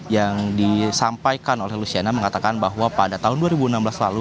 yang disampaikan oleh luciana mengatakan bahwa pada tahun dua ribu enam belas lalu